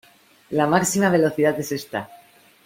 La máxima velocidad es esta.